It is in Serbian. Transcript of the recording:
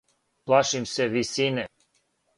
Плашим се висине.